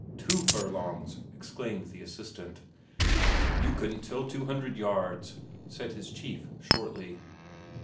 "Two furlongs!" exclaimed his assistant. "You couldn't till two hundred yards," said his chief shortly.